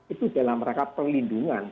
itu dalam rangka pelindungan